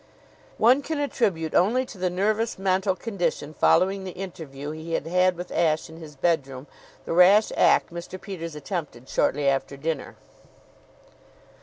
One can attribute only to the nervous mental condition following the interview he had had with Ashe in his bedroom the rash act Mr. Peters attempted shortly after dinner.